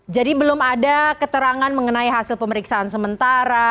jadi belum ada keterangan mengenai hasil pemeriksaan sementara